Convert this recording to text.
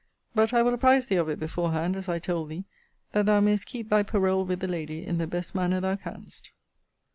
But I will apprize thee of it beforehand, as I told thee, that thou mayest keep thy parole with the lady in the best manner thou canst.